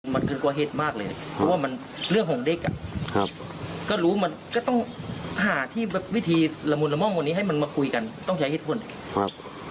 มันเกินกว่าเหตุมากเลยเพราะว่ามันเรื่องของเด็กอ่ะครับก็รู้มันก็ต้องหาที่วิธีละมุนละม่อมวันนี้ให้มันมาคุยกันต้องใช้เหตุผลครับ